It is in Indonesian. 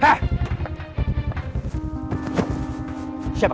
ketawa kisah upah